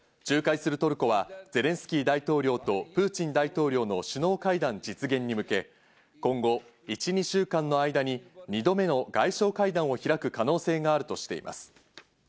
仲介するトルコはゼレンスキー大統領とプーチン大統領の首脳会談実現に向け、今後１、２週間の間に２度目の外相会談を開く可能性があるとしています。